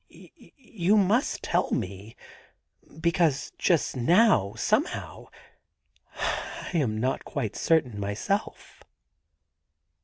*You must tell me, be cause just now, somehow, I am not quite certain myself.'